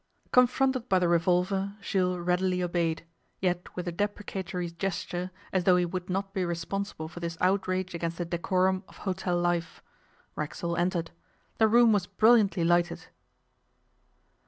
Confronted by the revolver, Jules readily obeyed, yet with a deprecatory gesture, as though he would not be responsible for this outrage against the decorum of hotel life. Racksole entered. The room was brilliantly lighted.